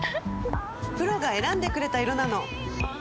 プロが選んでくれた色なの！